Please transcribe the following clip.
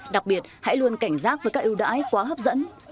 đặc biệt hãy luôn cảnh giác với các ưu đãi quá hấp dẫn